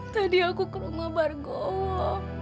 tadi aku ke rumah bargo